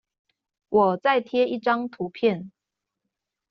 我再貼一張圖片